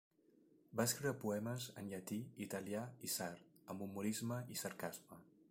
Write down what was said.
Va escriure poemes en llatí, italià i sard, amb humorisme i sarcasme.